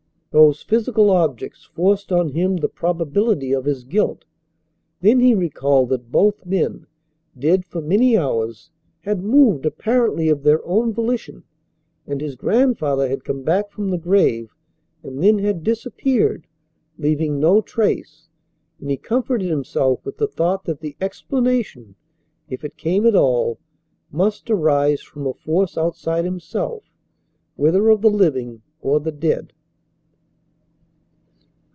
Those physical objects forced on him the probability of his guilt. Then he recalled that both men, dead for many hours, had moved apparently of their own volition; and his grandfather had come back from the grave and then had disappeared, leaving no trace; and he comforted himself with the thought that the explanation, if it came at all, must arise from a force outside himself, whether of the living or the dead.